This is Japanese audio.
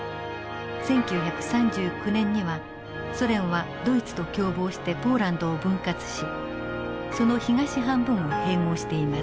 １９３９年にはソ連はドイツと共謀してポーランドを分割しその東半分を併合しています。